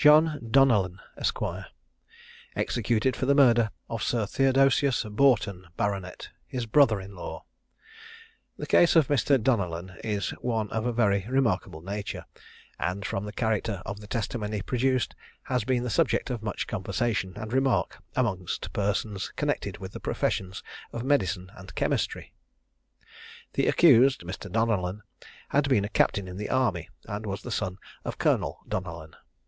JOHN DONELLAN, ESQ. EXECUTED FOR THE MURDER OF SIR THEODOSIUS BOUGHTON, BART., HIS BROTHER IN LAW. The case of Mr. Donellan is one of a very remarkable nature, and from the character of the testimony produced has been the subject of much conversation and remark amongst persons connected with the professions of medicine and chemistry. The accused, Mr. Donellan, had been a captain in the army, and was the son of Colonel Donellan.